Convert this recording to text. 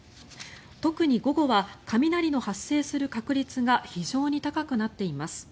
特に午後は雷の発生する確率が非常に高くなっています。